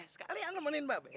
sekalian nemenin mbak be